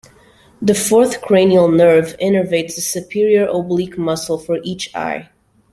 The fourth cranial nerve innervates the superior oblique muscle for each eye.